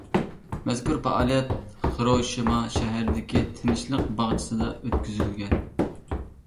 مەزكۇر پائالىيەت خىروشىما شەھىرىدىكى تىنچلىق باغچىسىدا ئۆتكۈزۈلگەن.